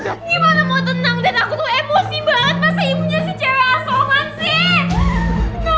dan aku tuh emosi banget